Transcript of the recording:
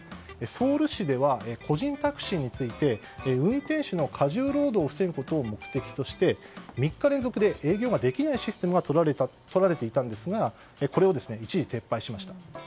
ソウル市では個人タクシーについて運転手の過重労働を防ぐことを目的として３日連続で営業ができないシステムがとられていたんですがこれを一時撤廃しました。